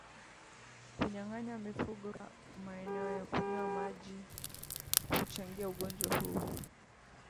Kunyanganya mifugo katika maeneo ya kunywea maji huchangia ugonjwa huu